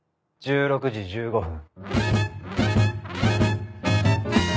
１６時１５分。